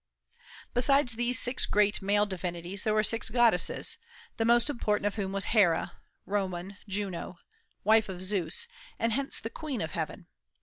Besides these six great male divinities there were six goddesses, the most important of whom was Hera (Roman Juno), wife of Zeus, and hence the Queen of Heaven.